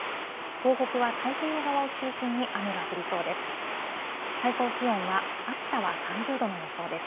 東北は太平洋側を中心に雨が降りそうです。